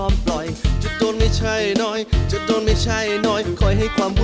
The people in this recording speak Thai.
ไม่ชอบขี้เหอะนะพ่อ